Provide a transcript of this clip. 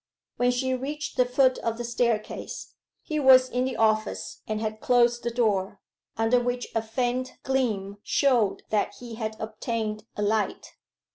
When she reached the foot of the staircase he was in the office and had closed the door, under which a faint gleam showed that he had obtained a light.